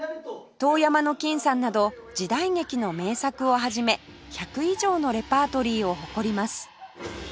『遠山の金さん』など時代劇の名作を始め１００以上のレパートリーを誇ります